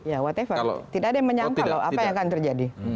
ya what ever tidak ada yang menyangka loh apa yang akan terjadi